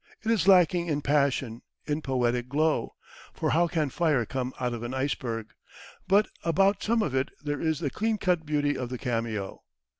It is lacking in passion, in poetic glow for how can fire come out of an iceberg? but about some of it there is the clean cut beauty of the cameo.